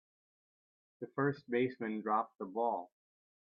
The first baseman dropped the ball.